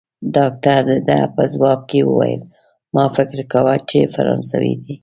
ډاکټر د ده په ځواب کې وویل: ما فکر کاوه، چي فرانسوی دی.